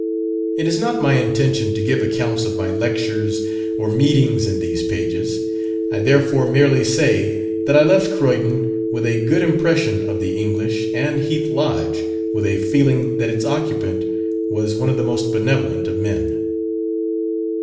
It is not my intention to give accounts of my lectures or meetings in these pages. I therefore merely say, that I left Croydon with a good impression of the English, and Heath Lodge with a feeling that its occupant was one of the most benevolent of men.